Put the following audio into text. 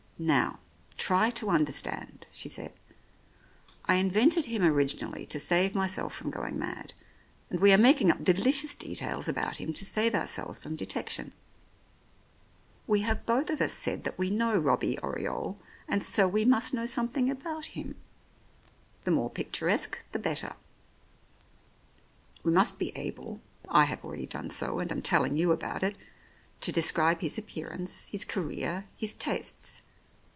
"Now, try to understand," she said. "I invented him originally to save myself from going mad, and we are making up delicious details about him to save ourselves from detection. We have both of us said that we know Robbie Oriole, and so we must know something about him ; the more picturesque the better. 93 The Oriolists We must be able (I have already done so and am telling you about it) to describe his appearance, his career, his tastes.